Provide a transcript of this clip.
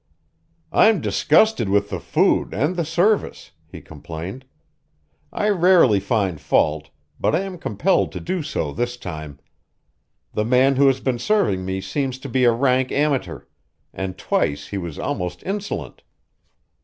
"I'm disgusted with the food and the service," he complained. "I rarely find fault, but I am compelled to do so this time. The man who has been serving me seems to be a rank amateur, and twice he was almost insolent.